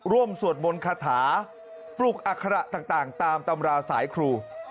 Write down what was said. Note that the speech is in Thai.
สวดมนต์คาถาปลุกอัคระต่างตามตำราสายครู